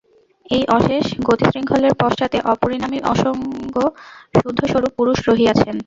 এই অশেষ গতিশৃঙ্খলের পশ্চাতে অপরিণামী, অসঙ্গ, শুদ্ধস্বরূপ পুরুষ রহিয়াছেন।